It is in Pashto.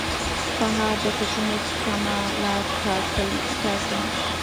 سهار د فکرونو سمه لار ټاکي.